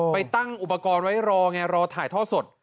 ไปตั้งอุปกรณ์ไว้รอไงรอถ่ายท่อสด